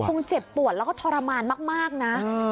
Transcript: คงเจ็บปวดแล้วก็ทรมานมากนะ